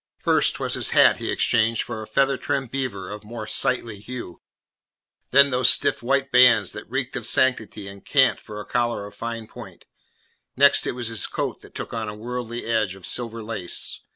First 'twas his hat he exchanged for a feather trimmed beaver of more sightly hue; then those stiff white bands that reeked of sanctity and cant for a collar of fine point; next it was his coat that took on a worldly edge of silver lace.